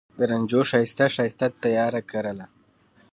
د رنجو ښایسته، ښایسته تیاره کرله